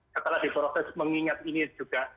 setelah diproses mengingat ini juga